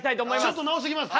ちょっと直してきます。